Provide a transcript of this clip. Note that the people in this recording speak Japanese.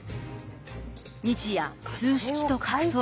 日夜数式と格闘。